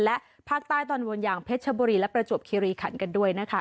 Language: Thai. และภาคใต้ตอนบนอย่างเพชรชบุรีและประจวบคิริขันกันด้วยนะคะ